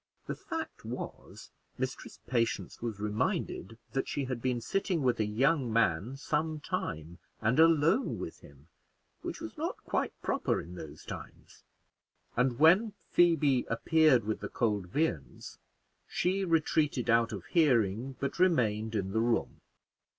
The fact was, Mistress Patience was reminded that she had been sitting with a young man some time, and alone with him which was not quite proper in those times; and when Phoebe appeared with the cold viands, she retreated out of hearing, but remained in the room.